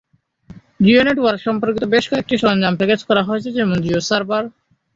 Jio network সম্পর্কিত বেশ কয়েকটি সরঞ্জাম প্যাকেজ করা হয়েছে যেমন জিও সার্ভার।